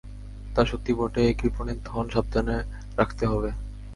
তা সত্যি বটে, এ কৃপণের ধন, সাবধানে রাখতে হবে।